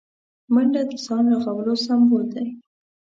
منډه د ځان رغولو سمبول دی